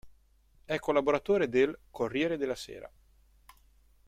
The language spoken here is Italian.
È collaboratore del "Corriere della Sera".